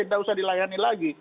tidak usah dilayani lagi